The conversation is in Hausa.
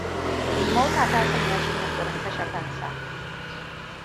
Ɗimauta ta sanya shi yunƙurin kashe kansa.